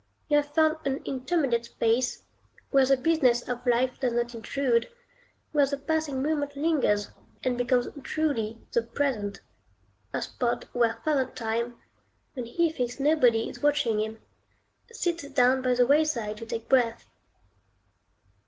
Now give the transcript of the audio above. You have found an intermediate space, where the business of life does not intrude; where the passing moment lingers, and becomes truly the present; a spot where Father Time, when he thinks nobody is watching him, sits down by the wayside to take breath.